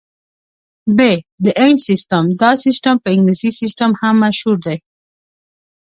ب - د انچ سیسټم: دا سیسټم په انګلیسي سیسټم هم مشهور دی.